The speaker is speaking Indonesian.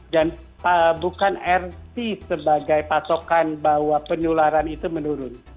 dan bukan rt sebagai patokan bahwa penularan itu menurun